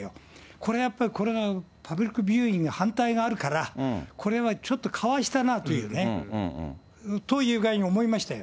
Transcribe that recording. これはやっぱり、パブリックビューイング反対があるから、これはちょっとかわしたなっていうね、という具合に思いましたよ。